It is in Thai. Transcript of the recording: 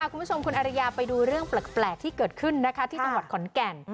คุณผู้ชมคุณอารยาไปดูเรื่องแปลกที่เกิดขึ้นนะคะที่จังหวัดขอนแก่น